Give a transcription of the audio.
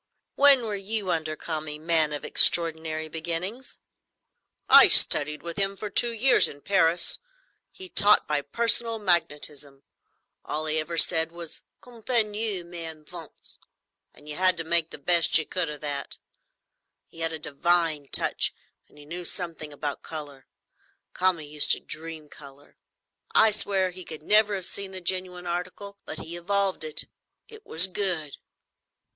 "When were you under Kami, man of extraordinary beginnings?" "I studied with him for two years in Paris. He taught by personal magnetism. All he ever said was, 'Continuez, mes enfants,' and you had to make the best you could of that. He had a divine touch, and he knew something about colour. Kami used to dream colour; I swear he could never have seen the genuine article; but he evolved it; and it was good."